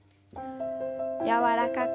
柔らかく。